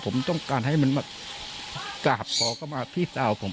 ผมต้องการให้มันมากราบขอเข้ามาพี่สาวผม